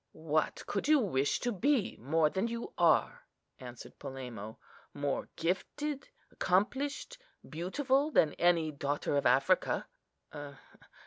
"What could you wish to be more than you are?" answered Polemo; "more gifted, accomplished, beautiful than any daughter of Africa."